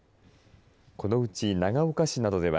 このうち長岡市などでは